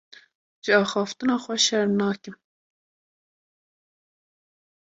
Ji axiftina xwe şerm nakim.